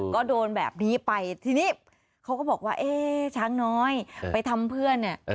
ก็โดนแบบนี้ไปทีนี้เขาก็บอกว่าเอ๊ะช้างน้อยไปทำเพื่อนเนี่ย